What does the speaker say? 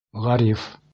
— Ғариф.